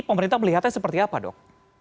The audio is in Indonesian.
pemerintah melihatnya seperti apa dok